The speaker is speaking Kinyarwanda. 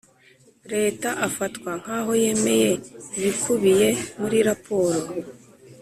Leta afatwa nk aho yemeye ibikubiye muri raporo